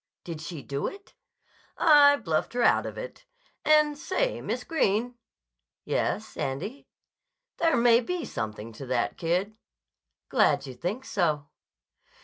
Did she do it?" "I bluffed her out of it. And say, Miss Greene!" "Yes, Andy." "There may be something to that kid." "Glad you think so."